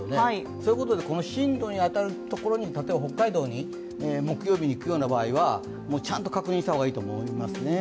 そういうことで進路に当たるところに例えば北海道に木曜日に行くような場合はちゃんと確認した方がいいと思いますね。